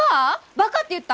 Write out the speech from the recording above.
「バカ」って言った！？